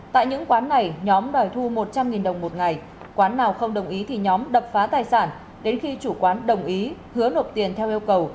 tại những quán này nhóm đòi thu một trăm linh đồng một ngày quán nào không đồng ý thì nhóm đập phá tài sản đến khi chủ quán đồng ý hứa nộp tiền theo yêu cầu